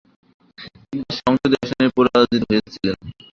তিনি তার সংসদীয় আসনে পরাজিত হয়েছিলেন।